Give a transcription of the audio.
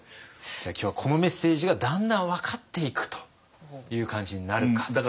じゃあ今日はこのメッセージがだんだん分かっていくという感じになるかっていう。